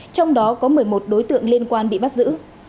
trong đó có một mươi một đối tượng liên quan bị bắt giữ